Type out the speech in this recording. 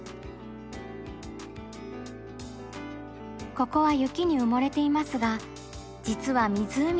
ここは雪に埋もれていますが実は湖の上。